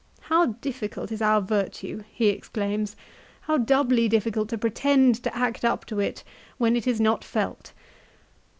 "How difficult is virtue," he exclaims, "how doubly difficult to pretend to act up to it when it is not felt